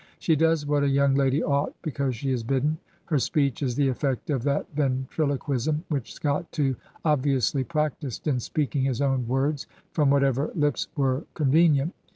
She does what a young lady ought because she is bidden; her speech is the effect of that ventriloquism which Scott too obviously practised in speaking his own words from whatever lips were con venient.